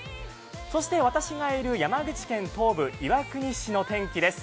そして私がいる山口県東部、岩国市の天気です。